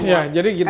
ya jadi gini